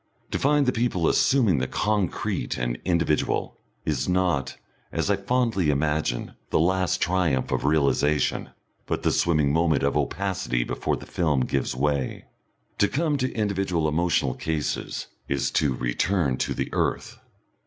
To find the people assuming the concrete and individual, is not, as I fondly imagine, the last triumph of realisation, but the swimming moment of opacity before the film gives way. To come to individual emotional cases, is to return to the earth.